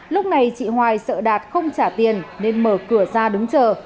lúc này chị hoài sợ đạt không trả tiền nên mở cửa ra đứng chờ